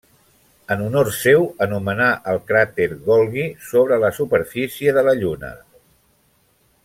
En honor seu s'anomenà el cràter Golgi sobre la superfície de la Lluna.